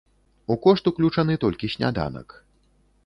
У кошт уключаны толькі сняданак.